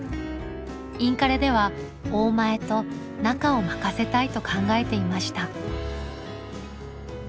インカレでは「大前」と「中」を任せたいと考えていました。